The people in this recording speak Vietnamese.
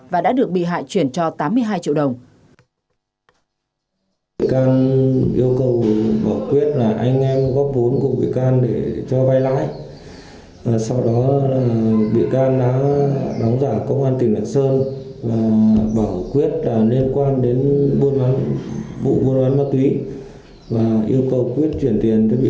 và đã được bị hại chuyển cho tám mươi hai triệu đồng